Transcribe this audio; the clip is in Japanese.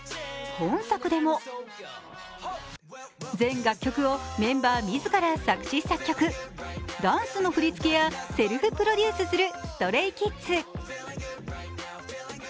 今作でも全楽曲をメンバー自らが作詞作曲、ダンスの振り付けや、セルフプロデュースするＳｔｒａｙＫｉｄｓ。